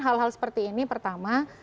hal hal seperti ini pertama